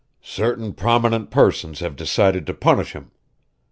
Certain prominent persons have decided to punish him.